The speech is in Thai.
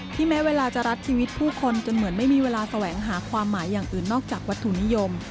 แม้เวลาจะรัดชีวิตผู้คนจนเหมือนไม่มีเวลาแสวงหาความหมายอย่างอื่นนอกจากวัตถุนิยม